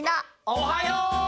おはよう！